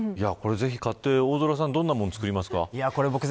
ぜひ買って、大空さんどんなもの作りますか。